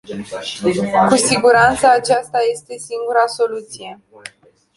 Cu siguranță aceasta este singura soluție.